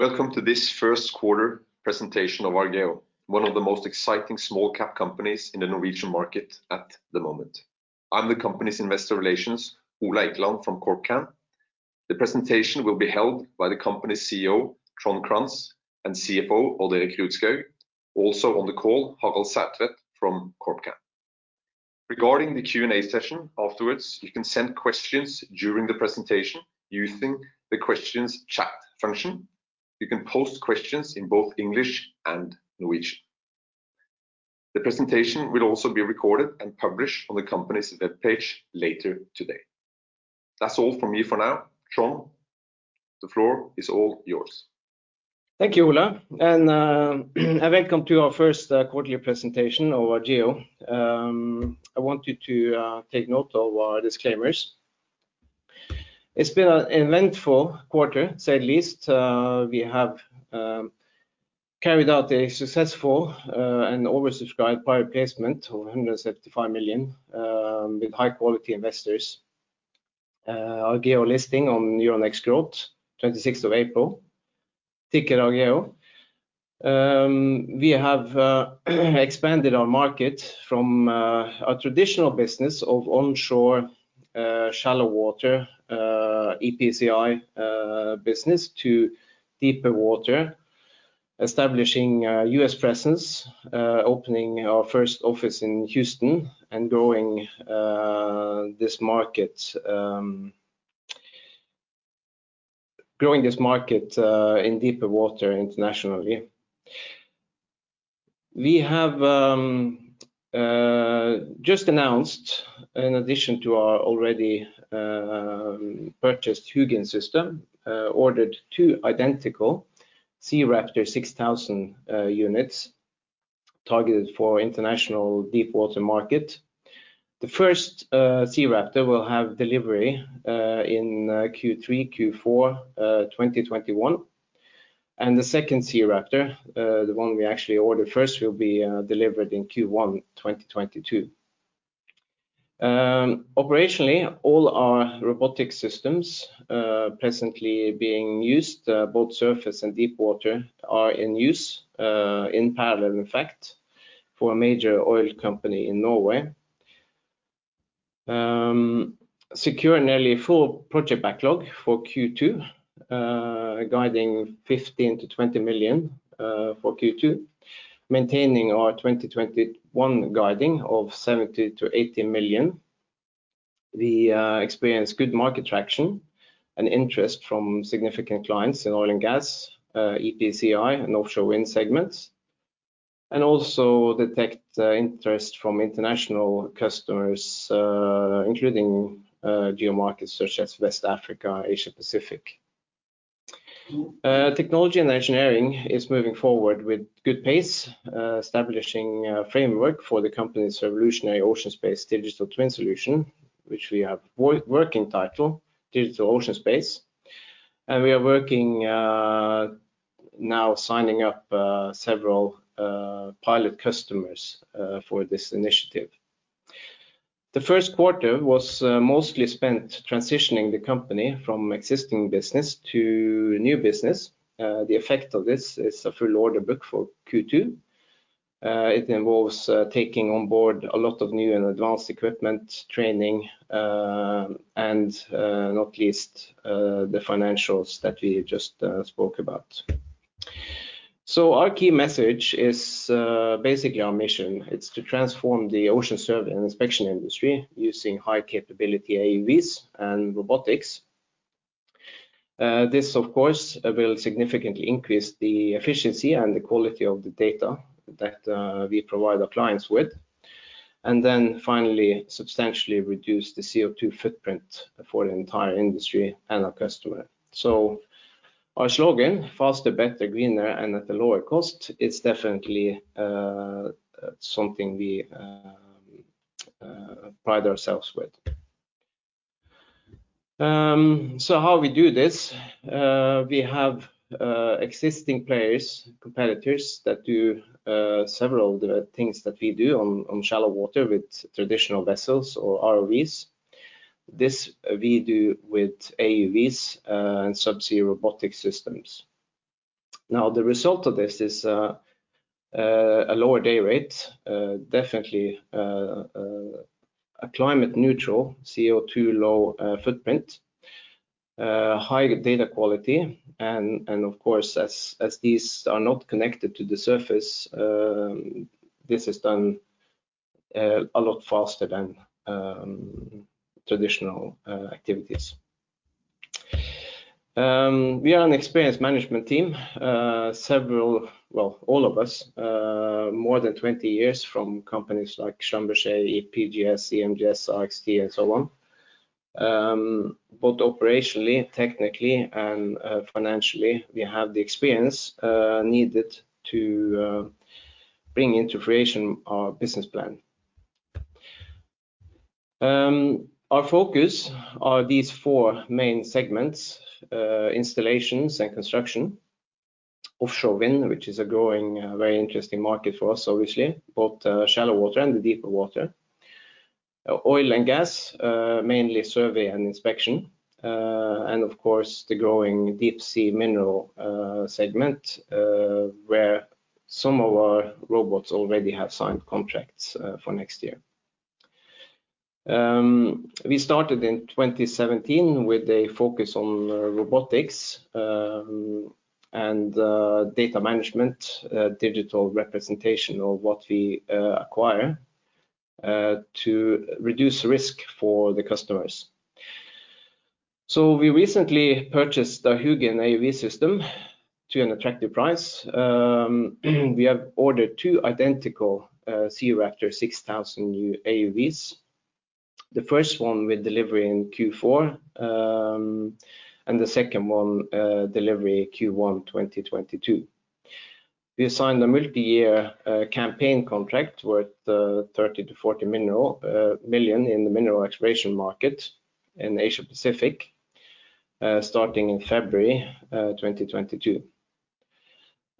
Welcome to this Q1 presentation of Argeo, one of the most exciting small cap companies in the Norwegian market at the moment. I'm the company's Investor Relations, Ole Eikeland from CorpCann. The presentation will be held by the company CEO, Trond F. Crantz, and CFO, Odd Erik Rudshaug. Also on the call, Haval Saltvedt from CorpCann. Regarding the Q&A session afterwards, you can send questions during the presentation using the questions chat function. You can post questions in both English and Norwegian. The presentation will also be recorded and published on the company's webpage later today. That's all from me for now. Trond, the floor is all yours. Thank you, Ole. Welcome to our first quarterly presentation of Argeo. I want you to take note of our disclaimers. It's been an eventful quarter, to say the least. We have carried out a successful and oversubscribed private placement of 175 million with high-quality investors. Argeo listing on Euronext Growth 26th of April. Ticker Argeo. We have expanded our market from our traditional business of onshore shallow water EPCI business to deeper water, establishing a U.S. presence, opening our first office in Houston, and growing this market in deeper water internationally. We have just announced, in addition to our already purchased Hugin system, ordered two identical SeaRaptor 6000 units targeted for international deep water market. The first SeaRaptor will have delivery in Q3, Q4 2021. The second SeaRaptor, the one we actually ordered first, will be delivered in Q1 2022. Operationally, all our robotic systems presently being used, both surface and deep water, are in use in parallel, in fact, for a major oil company in Norway. Secure nearly full project backlog for Q2, guiding 15 million-20 million for Q2, maintaining our 2021 guiding of 70 million-80 million. We experience good market traction and interest from significant clients in oil and gas, EPCI, and offshore wind segments. Also detect interest from international customers including geomarkets such as West Africa, Asia Pacific. Technology and engineering is moving forward with good pace, establishing a framework for the company's revolutionary ocean space digital twin solution, which we have working title Digital Ocean Space. We are working now signing up several pilot customers for this initiative. The Q1 was mostly spent transitioning the company from existing business to new business. The effect of this is a full order book for Q2. It involves taking on board a lot of new and advanced equipment training and not least, the financials that we just spoke about. Our key message is basically our mission. It's to transform the ocean survey and inspection industry using high capability AUVs and robotics. This, of course, will significantly increase the efficiency and the quality of the data that we provide our clients with. Finally, substantially reduce the CO2 footprint for the entire industry and our customer. Our slogan, faster, better, greener, and at a lower cost, it's definitely something we pride ourselves with. How we do this? We have existing players, competitors that do several of the things that we do on shallow water with traditional vessels or ROVs. This we do with AUVs and subsea robotic systems. The result of this is a lower day rate, definitely a climate neutral CO2 low footprint, high data quality, and of course, as these are not connected to the surface, this is done a lot faster than traditional activities. We are an experienced management team. All of us more than 20 years from companies like Schlumberger, PGS, CGG, RXT, and so on. Both operationally, technically, and financially, we have the experience needed to bring into creation our business plan. Our focus are these four main segments. Installations and construction, Offshore Wind, which is a growing, very interesting market for us, obviously, both shallow water and the deeper water. Oil and Gas, mainly survey and inspection. Of course, the growing Deep-Sea Mineral segment, where some of our robots already have signed contracts for next year. We started in 2017 with a focus on robotics and data management, digital representation of what we acquire to reduce risk for the customers. We recently purchased a Hugin AUV system to an attractive price. We have ordered two identical SeaRaptor 6000 AUVs. The first one with delivery in Q4, and the second one delivery Q1 2022. We assigned a multi-year campaign contract worth 30 million-40 million in the mineral exploration market in the Asia-Pacific, starting in February 2022.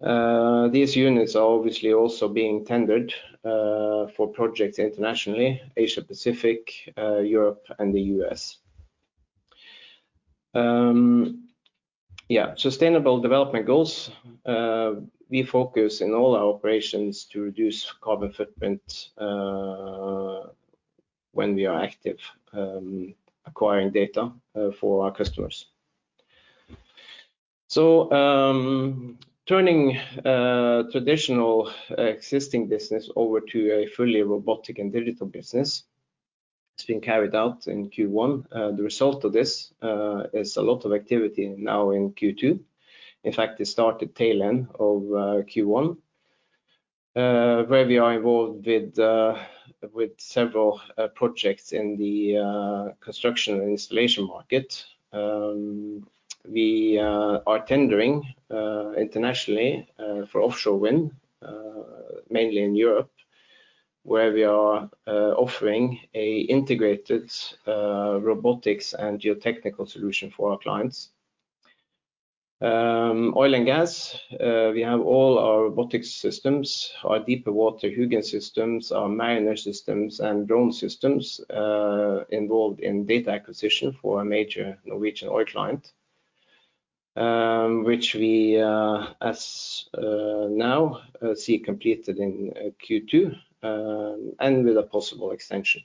These units are obviously also being tendered for projects internationally, Asia-Pacific, Europe, and the U.S. Sustainable development goals. We focus in all our operations to reduce carbon footprint when we are active acquiring data for our customers, turning traditional existing business over to a fully robotic and digital business. It's been carried out in Q1. The result of this is a lot of activity now in Q2. In fact, it started tail end of Q1, where we are involved with several projects in the construction and installation market. We are tendering internationally for offshore wind, mainly in Europe, where we are offering an integrated robotics and geotechnical solution for our clients. Oil and gas. We have all our robotics systems, our deeper water Hugin systems, our Mariner systems, and drone systems involved in data acquisition for a major Norwegian oil client, which we now see completed in Q2 and with a possible extension.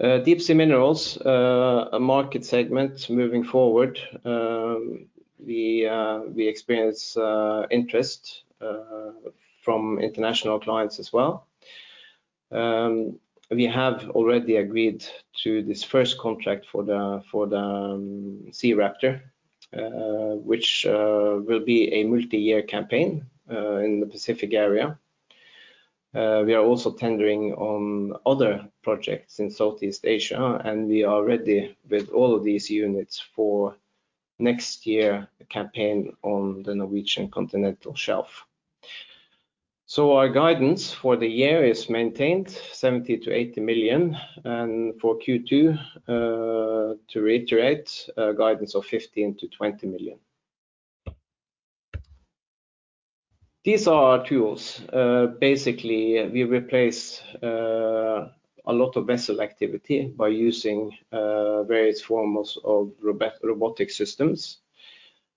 Deep-sea minerals, a market segment moving forward. We experience interest from international clients as well. We have already agreed to this first contract for the SeaRaptor, which will be a multi-year campaign in the Pacific area. We are also tendering on other projects in Southeast Asia, and we are ready with all of these units for next year campaign on the Norwegian Continental Shelf. Our guidance for the year is maintained 70 million-80 million. For Q2, to reiterate, guidance of 15 million-20 million. These are our tools. Basically, we replace a lot of vessel activity by using various forms of robotic systems,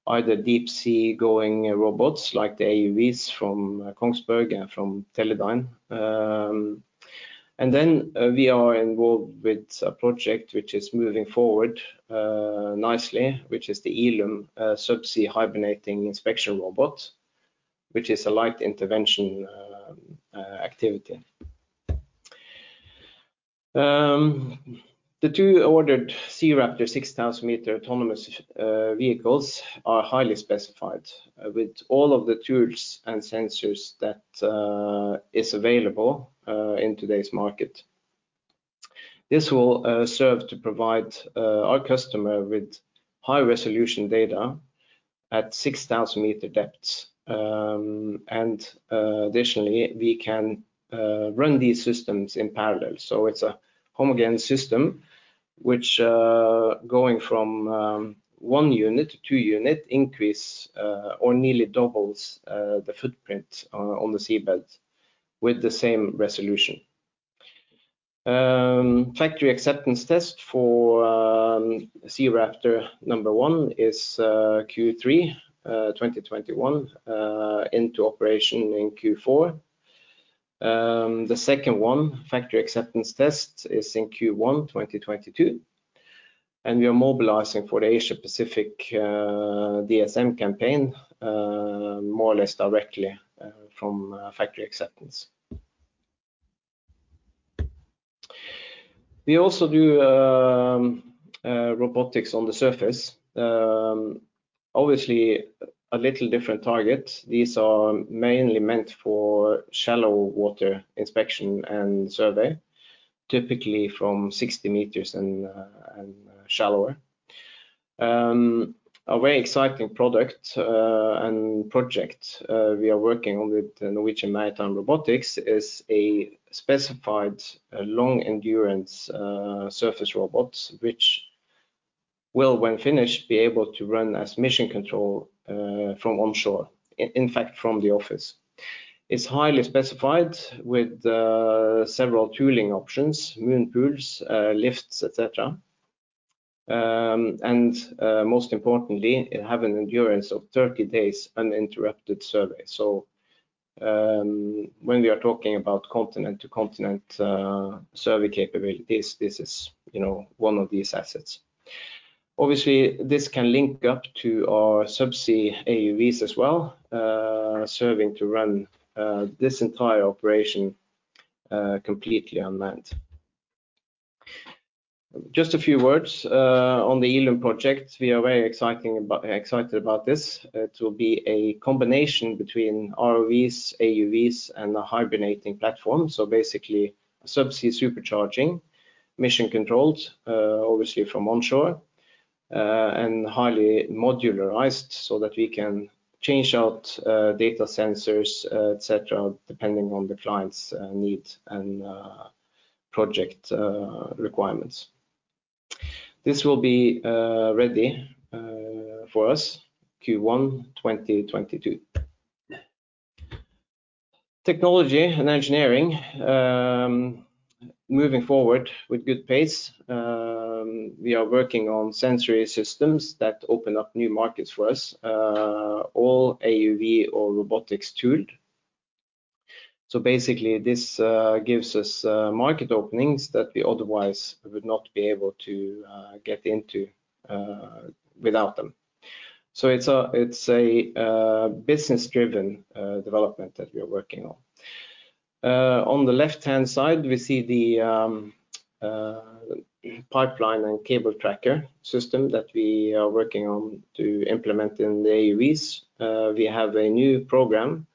either deep-sea going robots like the AUVs from Kongsberg and from Teledyne. We are involved with a project which is moving forward nicely, which is the Eelume subsea hibernating inspection robot, which is a light intervention activity. The two ordered SeaRaptor 6000-meter autonomous vehicles are highly specified with all of the tools and sensors that is available in today's market. This will serve to provide our customer with high-resolution data at 6,000-meter depths. Additionally, we can run these systems in parallel. It's a homogeneous system which going from one unit to two unit increase or nearly doubles the footprint on the seabed with the same resolution. Factory acceptance test for SeaRaptor number one is Q3 2021 into operation in Q4. The second one, factory acceptance test is in Q1 2022. We are mobilizing for the Asia-Pacific DSM campaign more or less directly from factory acceptance. We also do robotics on the surface. Obviously, a little different target. These are mainly meant for shallow water inspection and survey, typically from 60 meters and shallower. A very exciting product and project we are working on with the Norwegian Maritime Robotics is a specified long-endurance surface robot which will when finished, be able to run as mission control from onshore. In fact, from the office. It's highly specified with several tooling options, moon pools, lifts, et cetera. Most importantly, it have an endurance of 30 days uninterrupted survey. When we are talking about continent to continent survey capabilities, this is one of these assets. Obviously, this can link up to our subsea AUVs as well, serving to run this entire operation completely unmanned. Just a few words on the Eelume project. We are very excited about this. It will be a combination between ROVs, AUVs, and a hibernating platform. Basically a subsea supercharging, mission controlled, obviously from onshore, and highly modularized so that we can change out data sensors, et cetera, depending on the client's needs and project requirements. This will be ready for us Q1 2022. Technology and engineering, moving forward with good pace. We are working on sensory systems that open up new markets for us, all AUV or robotics tooled. Basically, this gives us market openings that we otherwise would not be able to get into without them. It's a business-driven development that we are working on. On the left-hand side, we see the pipeline and cable tracker system that we are working on to implement in the AUVs. We have a new program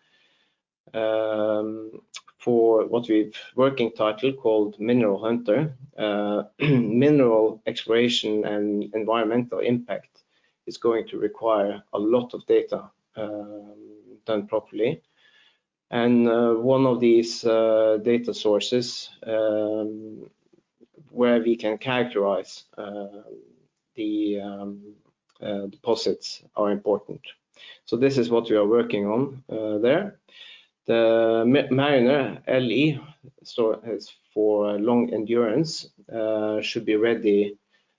for what we've working title called Mineral Hunter. Mineral exploration and environmental impact is going to require a lot of data done properly. One of these data sources where we can characterize the deposits are important. This is what we are working there. The Mariner LE, so it's for long endurance, should be ready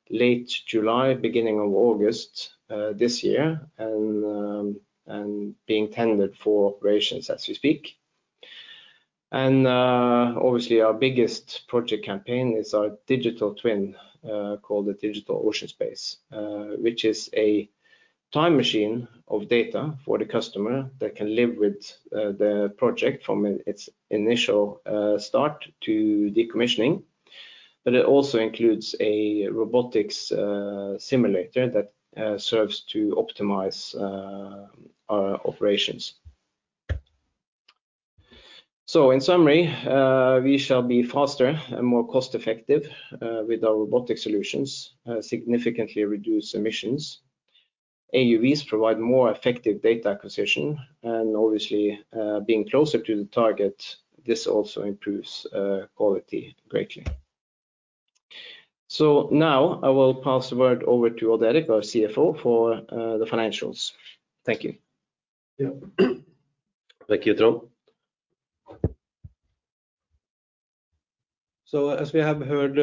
late July, beginning of August this year, and being tendered for operations as we speak. Obviously our biggest project campaign is our digital twin called the Digital Ocean Space which is a time machine of data for the customer that can live with the project from its initial start to decommissioning. It also includes a robotics simulator that serves to optimize our operations. In summary, we shall be faster and more cost-effective with our robotic solutions, significantly reduce emissions. AUVs provide more effective data acquisition, and obviously being closer to the target, this also improves quality greatly. Now I will pass the word over to Odd Erik, our CFO for the financials. Thank you. Thank you, Trond. As we have heard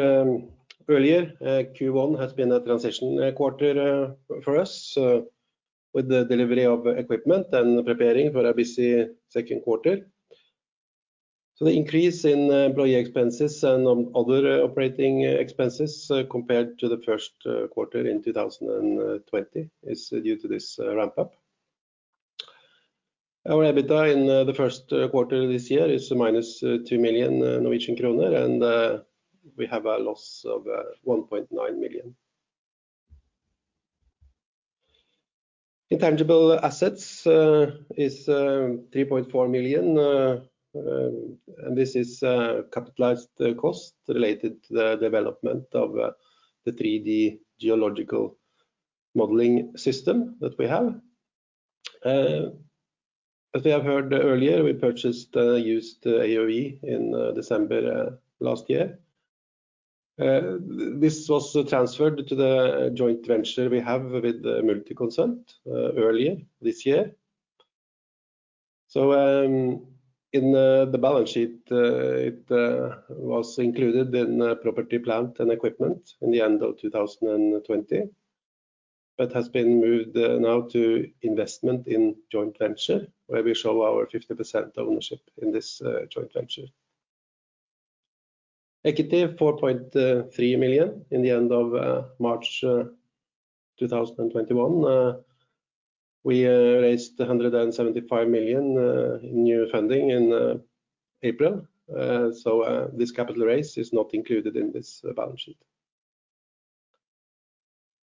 earlier, Q1 has been a transition quarter for us with the delivery of equipment and preparing for a busy Q2. The increase in employee expenses and on other operating expenses compared to Q1 in 2020 is due to this ramp up. Our EBITDA in the first quarter this year is -2 million Norwegian kroner, and we have a loss of 1.9 million NOK. Intangible assets is 3.4 million NOK, and this is a capitalized cost related to the development of the 3D geological modeling system that we have. As we have heard earlier, we purchased a used AUV in December last year. This was transferred to the joint venture we have with Multiconsult earlier this year. In the balance sheet it was included in property plant and equipment in the end of 2020, but has been moved now to investment in joint venture where we show our 50% ownership in this joint venture. Equity of 4.3 million in the end of March 2021. We raised 175 million in new funding in April. This capital raise is not included in this balance sheet.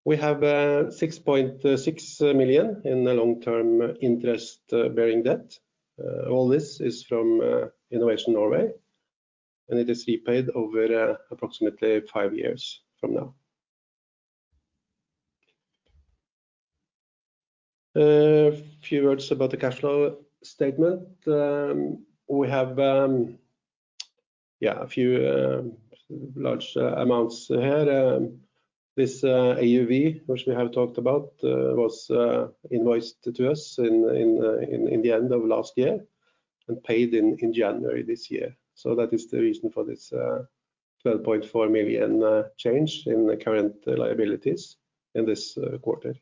We have 6.6 million in the long-term interest-bearing debt. All this is from Innovation Norway, and it is repaid over approximately five years from now. A few words about the cash flow statement. We have a few large amounts here. This AUV, which we have talked about, was invoiced to us in the end of last year and paid in January this year. That is the reason for this 12.4 million change in the current liabilities in this quarter.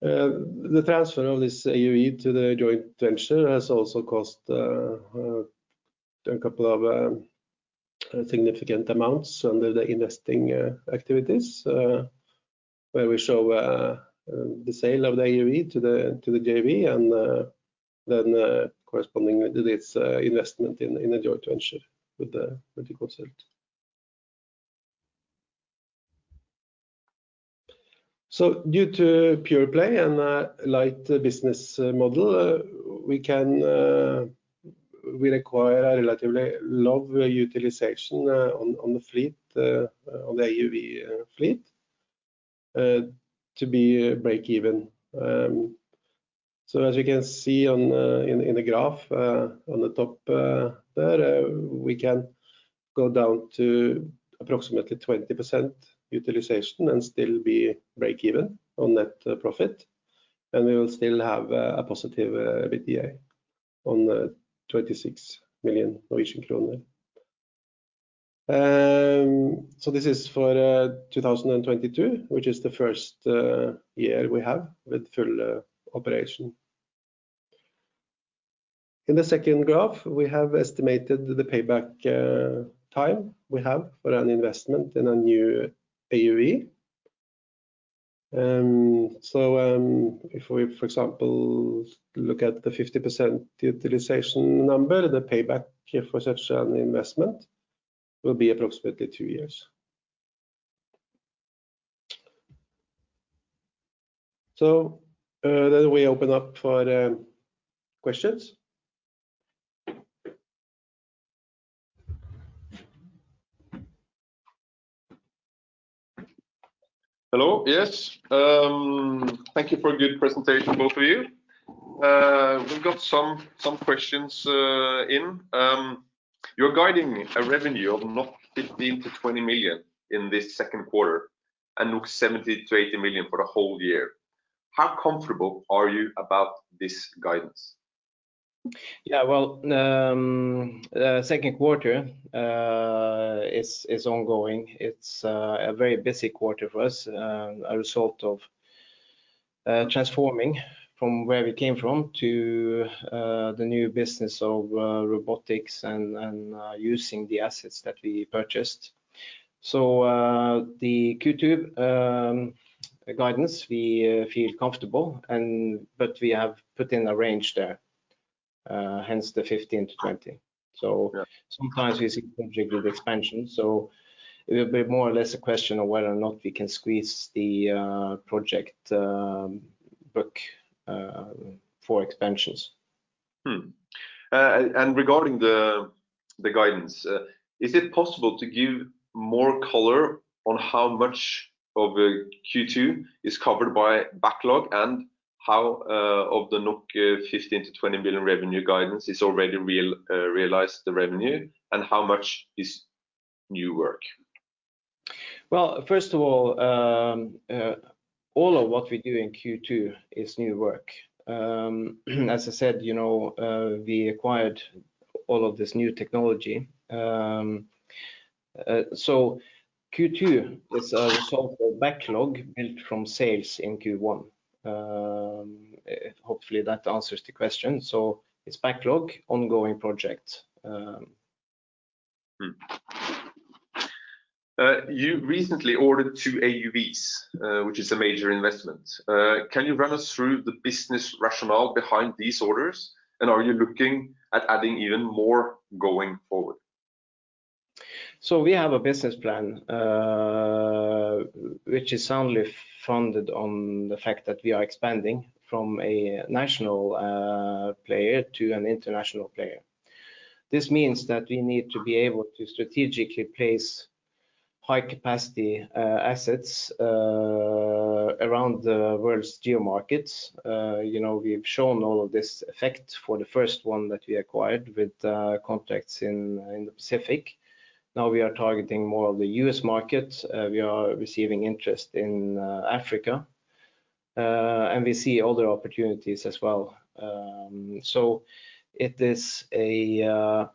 The transfer of this AUV to the joint venture has also cost a couple of significant amounts under the investing activities, where we show the sale of the AUV to the JV and then correspondingly, its investment in a joint venture with the concept. Due to pure-play and light business model, we require a relatively low utilization on the AUV fleet to be break even. As you can see in the graph on the top there, we can go down to approximately 20% utilization and still be break even on net profit, and we will still have a positive EBITDA on NOK 26 million. This is for 2022, which is the first year we have with full operation. In the second graph, we have estimated the payback time we have for an investment in a new AUV. If we, for example, look at the 50% utilization number, the payback here for such an investment will be approximately two years. We open up for questions. Hello. Yes. Thank you for a good presentation, both of you. We've got some questions in. You're guiding a revenue of 15 million-20 million in this second quarter and 70 million-80 million for the whole year. How comfortable are you about this guidance? Well, second quarter is ongoing. It's a very busy quarter for us, a result of transforming from where we came from to the new business of robotics and using the assets that we purchased. The Q2 guidance, we feel comfortable, but we have put in a range there, hence the 15-20. Yeah. Sometimes we see potential with expansion. It will be more or less a question of whether or not we can squeeze the project book for expansions. Regarding the guidance, is it possible to give more color on how much of Q2 is covered by backlog and how of the 15 million-20 million revenue guidance is already realized the revenue, and how much is new work? Well, first of all of what we do in Q2 is new work. As I said, we acquired all of this new technology. Q2 is a result of backlog built from sales in Q1. Hopefully, that answers the question. It's backlog, ongoing project. You recently ordered two AUVs, which is a major investment. Can you run us through the business rationale behind these orders. Are you looking at adding even more going forward? We have a business plan, which is only founded on the fact that we are expanding from a national player to an international player. This means that we need to be able to strategically place high-capacity assets around the world's geo markets. We've shown all of this effect for the first one that we acquired with contracts in the Pacific. Now we are targeting more of the U.S. market. We are receiving interest in Africa. We see other opportunities as well. It is a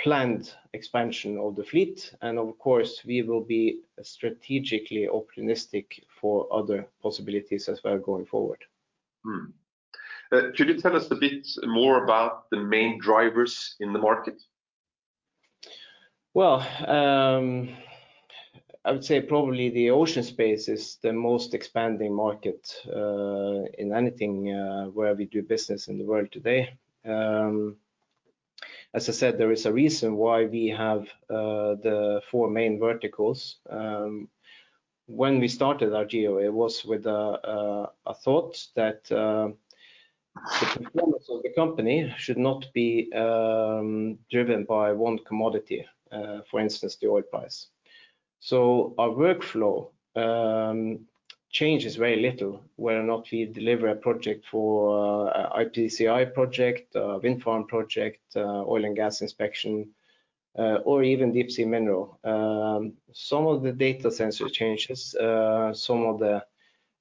planned expansion of the fleet, and of course, we will be strategically opportunistic for other possibilities as well going forward. Could you tell us a bit more about the main drivers in the market? Well, I would say probably the ocean space is the most expanding market in anything where we do business in the world today. As I said, there is a reason why we have the four main verticals. When we started Argeo, it was with a thought that. The performance of the company should not be driven by one commodity, for instance, the oil price. Our workflow changes very little whether or not we deliver a project for EPCI project, wind farm project, oil and gas inspection, or even deep sea mineral. Some of the data sensor changes, some of the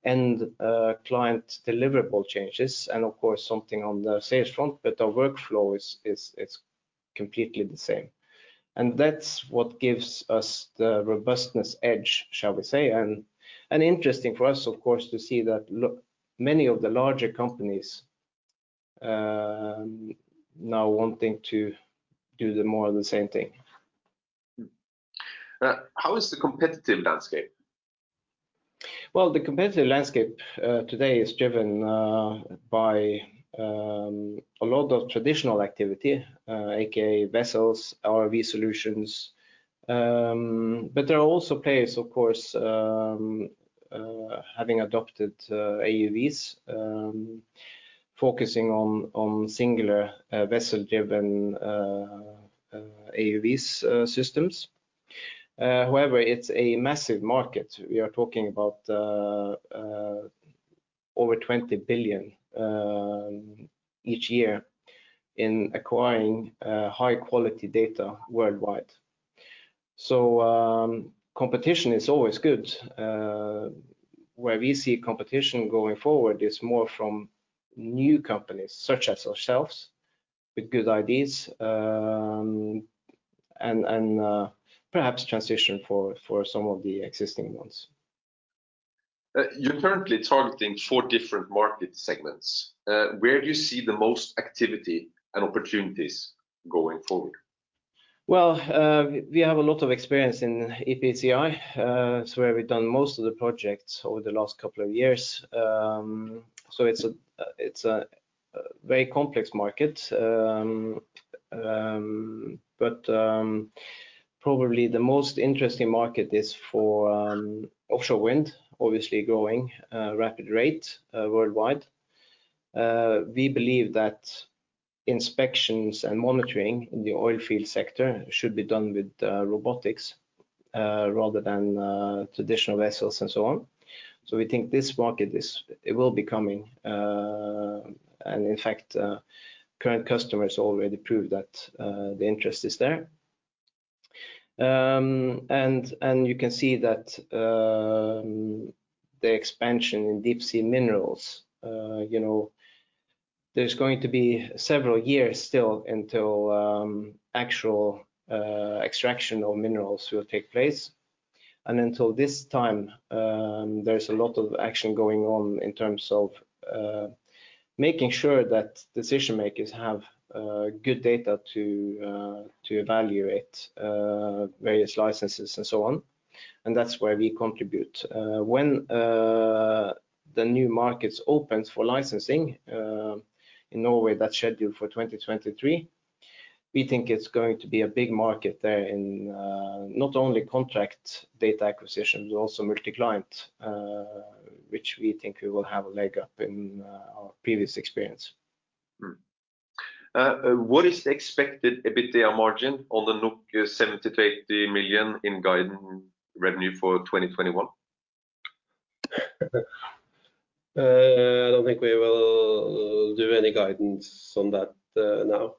end client deliverable changes, and of course, something on the sales front, but our workflow is completely the same. That's what gives us the robustness edge, shall we say. Interesting for us, of course, to see that many of the larger companies are now wanting to do more of the same thing. How is the competitive landscape? Well, the competitive landscape today is driven by a lot of traditional activity, AKA vessels, ROV solutions, but there are also players, of course, having adopted AUVs, focusing on singular vessel-driven AUV systems. It's a massive market. We are talking about over 20 billion each year in acquiring high-quality data worldwide. Competition is always good. Where we see competition going forward is more from new companies, such as ourselves, with good ideas, and perhaps transition for some of the existing ones. You're currently targeting four different market segments. Where do you see the most activity and opportunities going forward? Well, we have a lot of experience in EPCI. It's where we've done most of the projects over the last couple of years. It's a very complex market, but probably the most interesting market is for offshore wind, obviously growing at a rapid rate worldwide. We believe that inspections and monitoring in the oil field sector should be done with robotics rather than traditional vessels and so on. We think this market will be coming, and in fact, current customers already prove that the interest is there. You can see that the expansion in deep sea minerals, there's going to be several years still until actual extraction of minerals will take place. Until this time, there's a lot of action going on in terms of making sure that decision-makers have good data to evaluate various licenses and so on. That's where we contribute. When the new markets opens for licensing, in Norway, that's scheduled for 2023, we think it's going to be a big market there in not only contract data acquisition, but also multi-client, which we think we will have a leg up in our previous experience. What is the expected EBITDA margin on the 70 million-80 million in guiding revenue for 2021? I don't think we will do any guidance on that now.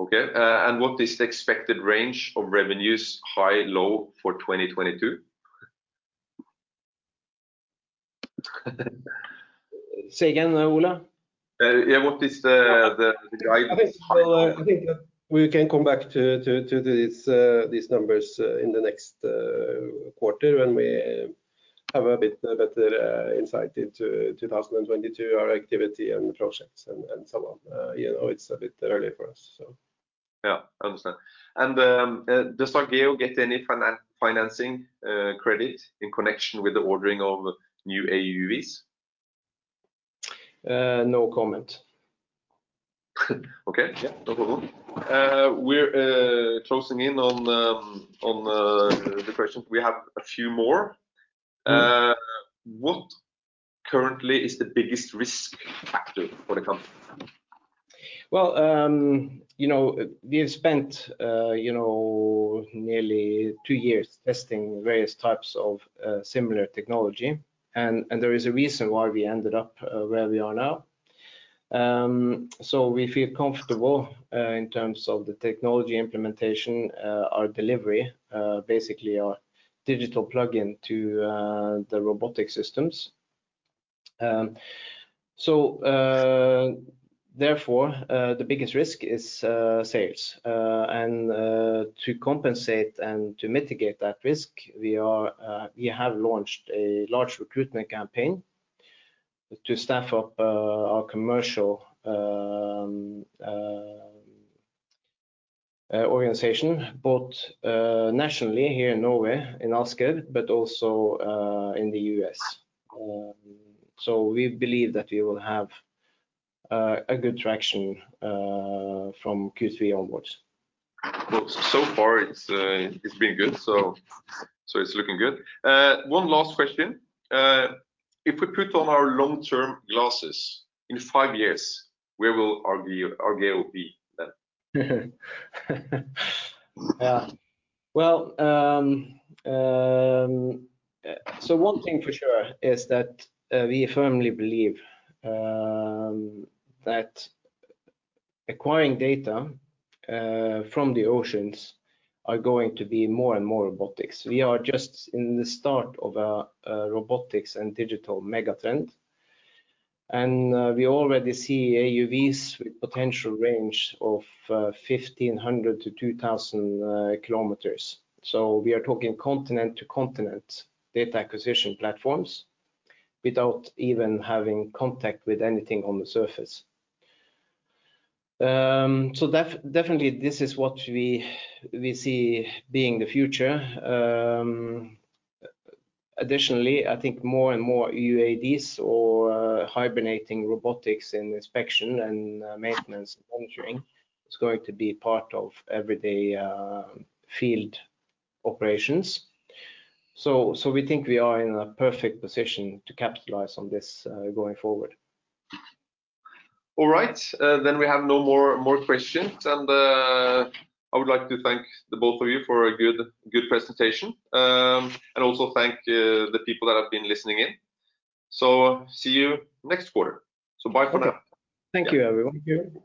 Okay. What is the expected range of revenues, high, low, for 2022? Say again, Ole? Yeah. What is the guidance- I think that we can come back to these numbers in the next quarter when we have a bit better insight into 2022, our activity and projects and so on. It's a bit early for us. Yeah. Understand. Does Argeo get any financing credit in connection with the ordering of new AUVs? No comment. Okay. Yeah. No problem. We're closing in on the questions. We have a few more. What currently is the biggest risk factor for the company? Well, we have spent nearly two years testing various types of similar technology. There is a reason why we ended up where we are now. We feel comfortable in terms of the technology implementation, our delivery, basically our digital plugin to the robotic systems. Therefore, the biggest risk is sales. To compensate and to mitigate that risk, we have launched a large recruitment campaign to staff up our commercial organization, both nationally here in Norway, in Asker, but also in the U.S. We believe that we will have a good traction from Q3 onwards. Well, so far it's been good. It's looking good. One last question. If we put on our long-term glasses, in five years, where will Argeo be then? Well, one thing for sure is that we firmly believe that acquiring data from the oceans are going to be more and more robotics. We are just in the start of a robotics and digital mega-trend. We already see AUVs with potential range of 1,500 to 2,000 kilometers. We are talking continent-to-continent data acquisition platforms without even having contact with anything on the surface. Definitely this is what we see being the future. Additionally, I think more and more UAVs or hibernating robotics in inspection and maintenance and monitoring is going to be part of everyday field operations. We think we are in a perfect position to capitalize on this going forward. All right. We have no more questions, and I would like to thank the both of you for a good presentation. Also thank the people that have been listening in. See you next quarter. Bye for now. Thank you, everyone. Thank you.